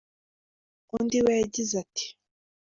Undi we yagize ati: